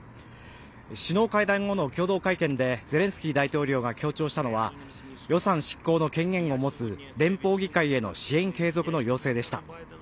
首脳会談後の共同会見でゼレンスキー大統領が強調したのが予算執行の権限を持つ連邦議会への支援継続の要請でした。